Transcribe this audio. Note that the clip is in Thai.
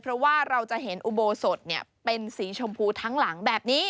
เพราะว่าเราจะเห็นอุโบสถเป็นสีชมพูทั้งหลังแบบนี้